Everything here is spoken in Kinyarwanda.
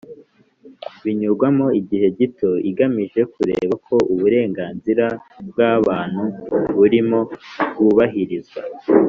binyurwamo igihe gito igamije kureba ko uburenganzira bw abantu burimo bwubahirizwa